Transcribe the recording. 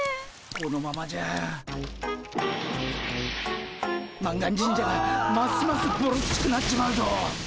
このままじゃ満願神社がますますぼろっちくなっちまうぞ。